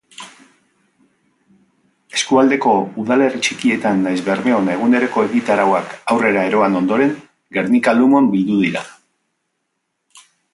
Eskualdeko udalerri txikietan nahiz Bermeon eguneko egitarauak aurrera eroan ondoren, Gernika-Lumon bildu dira.